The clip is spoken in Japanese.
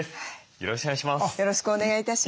よろしくお願いします。